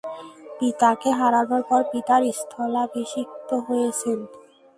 পিতাকে হারানোর পর পিতার স্থলাভিষিক্ত হয়েছেন।